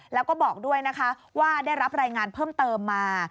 แล้วก็บอกด้วยนะคะว่าได้รับรายงานเพิ่มเติมมา